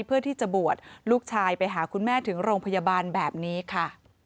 เพื่อที่จะบวชลูกชายไปหาคุณแม่ถึงโรงพยาบาลแบบนี้ค่ะ